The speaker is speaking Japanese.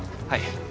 はい。